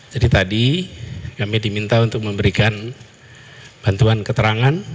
jadi tadi kami diminta untuk memberikan bantuan keterangan